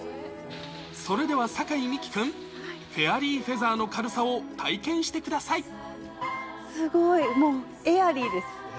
それでは酒井美紀君、フェアリーフェザーの軽さを体験してくださすごい、もうエアリーです。